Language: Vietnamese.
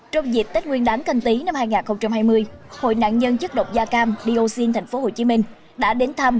trong dịp tết nguyên đáng canh tí năm hai nghìn hai mươi hội nạn nhân chất độc da cam dioxin tp hcm đã đến thăm